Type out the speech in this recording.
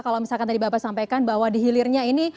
kalau misalkan tadi bapak sampaikan bahwa dihilirnya ini